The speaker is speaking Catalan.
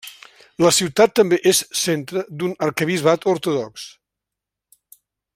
La ciutat també és centre d'un arquebisbat ortodox.